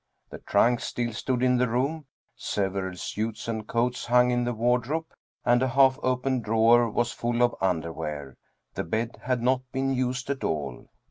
The trunks still stood in the room, sev eral suits and coats hung in the wardrobe, and a half opened drawer was full of underwear. The bed had not been used at all.